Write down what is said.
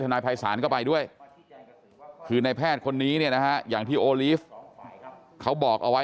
นายภัยศาลก็ไปด้วยคือในแพทย์คนนี้เนี่ยนะฮะอย่างที่โอลีฟเขาบอกเอาไว้